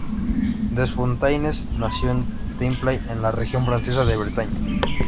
Desfontaines nació en Tremblay en la región francesa de Bretaña.